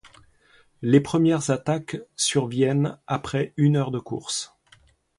Les premières attaques surviennent après une heure de course.